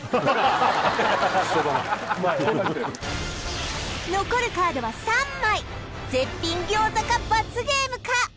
一緒だな残るカードは３枚絶品餃子か罰ゲームか？